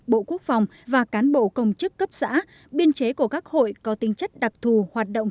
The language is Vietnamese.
bộ quốc phòng và cán bộ công chức cấp xã biên chế của các hội có tinh chất đặc thù hoạt động